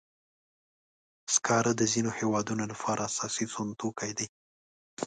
سکاره د ځینو هېوادونو لپاره اساسي سون توکي دي.